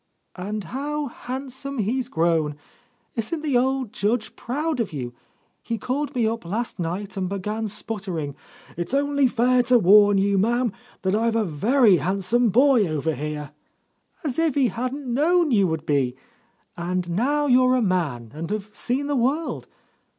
"And how handsome he's grown! Isn't the old Judge proud of you! He called me up last night and began sputtering, 'It's only fair to warn you, Ma'm, that I've a very handsome boy over here.' As if I hadn't known you would be ! And now you're a man, and have seen the world!